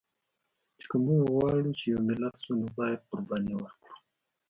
چې که مونږ غواړو چې یو ملت شو، نو باید قرباني ورکړو